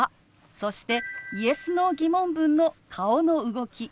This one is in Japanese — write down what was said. そしてＹｅｓ／Ｎｏー疑問文の顔の動き